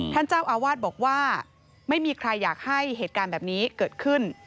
ท่านเจ้าอาวาสบอกว่าไม่มีใครอยากให้เหตุการณ์แบบนี้เกิดขึ้น